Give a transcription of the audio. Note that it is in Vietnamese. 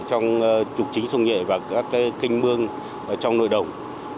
trong trục chính sông nhuệ và các kênh mương trong nội đồng